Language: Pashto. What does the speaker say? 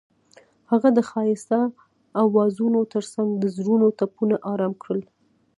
هغې د ښایسته اوازونو ترڅنګ د زړونو ټپونه آرام کړل.